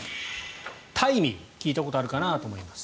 タイミー聞いたことあるかなと思います。